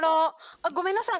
あっごめんなさい。